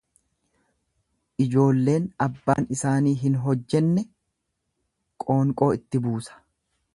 Ijoolleen abbaan isaanii hin hojjenne qoonqoo itti buusa.